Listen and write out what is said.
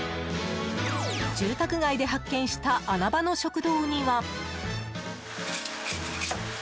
住宅街で発見した穴場の食堂には。